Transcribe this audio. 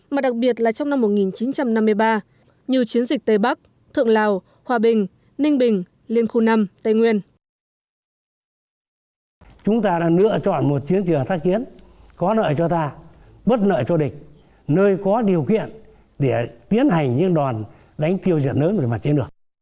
mà đặc biệt là trong năm một nghìn chín trăm năm mươi ba như chiến dịch tây bắc thượng lào hòa bình ninh bình liên khu năm tây nguyên